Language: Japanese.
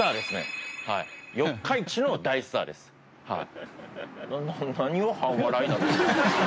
はい。